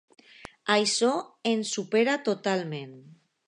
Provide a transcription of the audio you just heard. Això em supera totalment.